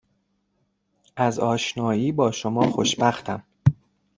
از آشنایی با شما خوشبختم